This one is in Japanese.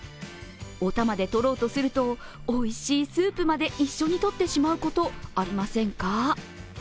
お玉でとろうとすると、おいしいスープまで一緒にとってしまうこと、ありませんか？